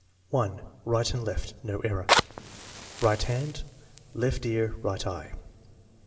1. Right and left. (No error.) Right hand; left ear; right eye.